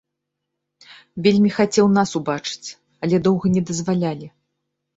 Вельмі хацеў нас убачыць, але доўга не дазвалялі.